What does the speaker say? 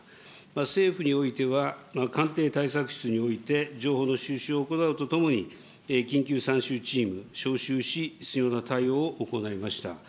政府においては官邸対策室において、情報の収集を行うとともに、緊急参集チーム招集し、必要な対応を行いました。